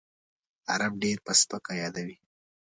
عرب ډېر په سپکه یادوي.